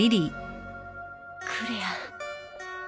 クレア。